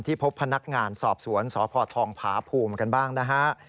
พบพนักงานสอบสวนสพทองผาภูมิกันบ้างนะฮะ